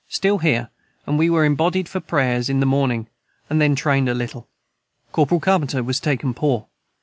Stil hear and we were imbodied for prayers in the morning and then trained a little. Corperal Carpenter was taken poor.